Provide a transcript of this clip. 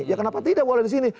ya kenapa tidak boleh di sini